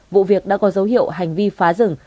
vụ việc đã có dấu hiệu hành vi phá rừng